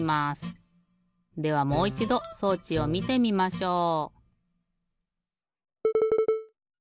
ではもういちど装置をみてみましょう！